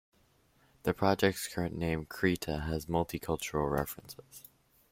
The project's current name "Krita" has multi-cultural references.